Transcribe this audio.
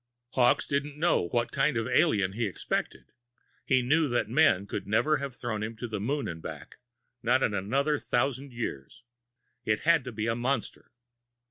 Hawkes didn't know what kind of an alien he expected. He knew that men could never have thrown him to the moon and back, not in another thousand years. It had to be a monster.